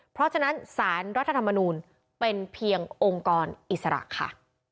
เพราะฉะนั้นสารรัฐธรรมนูลเป็นเพียงองค์กรอิสระค่ะ